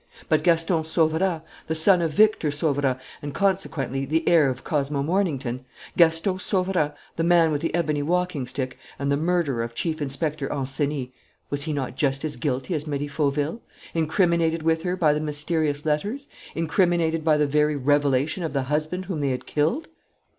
But Gaston Sauverand, the son of Victor Sauverand and consequently the heir of Cosmo Mornington Gaston Sauverand, the man with the ebony walking stick and the murderer of Chief Inspector Ancenis was he not just as guilty as Marie Fauville, incriminated with her by the mysterious letters, incriminated by the very revelation of the husband whom they had killed?